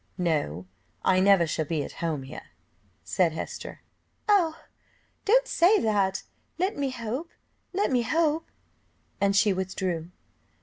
"No, I never shall be at home here," said Esther. "Oh! don't say that, let me hope let me hope " and she withdrew.